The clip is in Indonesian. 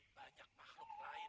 banyak makhluk lain